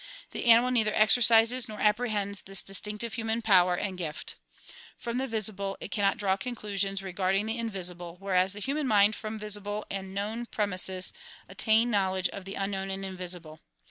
The animal neither exercises nor apprehends this distinctive human power and gift. From the visible it cannot draw conclusions regarding the invisible whereas the human mind from visible and known prem ises attains knowledge of the unknown and invisible.